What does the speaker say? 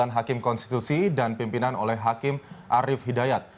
sembilan hakim konstitusi dan pimpinan oleh hakim arief hidayat